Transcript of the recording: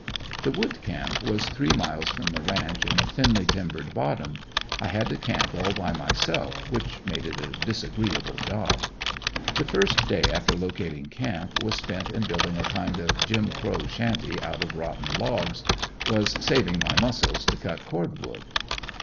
The "wood camp" was three miles from the ranch in a thinly timbered bottom. I had to camp all by myself, which made it a disagreeable job. The first day, after locating camp, was spent in building a kind of Jim Crow shanty out of rotten logs was saving my muscle to cut cord wood.